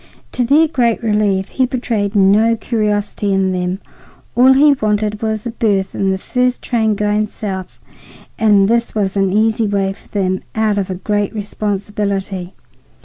To their great relief, he betrayed no curiosity in them. All he wanted was a berth in the first train going south, and this was an easy way for them out of a great responsibility.